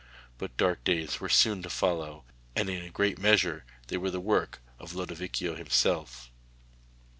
But dark days were soon to follow, and in a great measure they were the work of Lodovico himself.